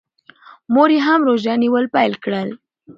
مور یې هم روژه نیول پیل کړل.